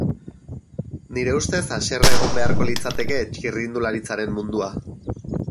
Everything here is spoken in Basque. Nire ustez haserre egon beharko litzateke txirrindularitzaren mundua.